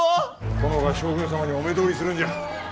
殿が将軍様にお目通りするんじゃ。